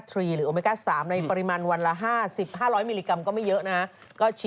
ซึ่งประมาณอาทิตย์หนึ่งอาทิตย์